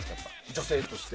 女性として。